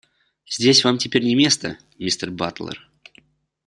Здесь вам теперь не место, миссис Батлер.